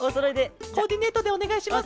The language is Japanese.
コーディネートでおねがいします